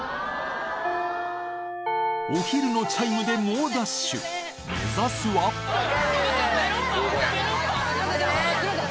お昼のチャイムで猛ダッシュ目指すはすいません